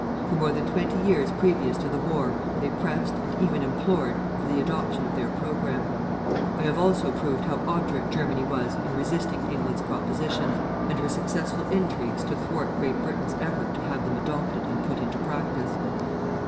For more than twenty years previous to the war, they pressed, and even implored, for the adoption of their program. I have also proved how obdurate Germany was in resisting England's propositions, and her successful intrigues to thwart Great Britain's efforts to have them adopted and put into practice.